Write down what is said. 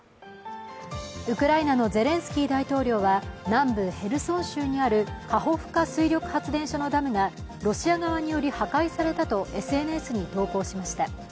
ウクライナのゼレンスキー大統領は南部ヘルソン州にあるカホフカ水力発電所のダムがロシア側により破壊されたとＳＮＳに投稿しました。